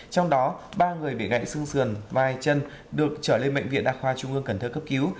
trong đó ba người bị gãy xương sườn vai chân được trở lên bệnh viện đa khoa trung ương cần thơ cấp cứu